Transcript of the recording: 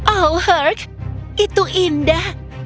oh herk itu indah